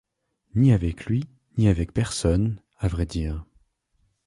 Ni avec lui, ni avec personne, à vrai dire.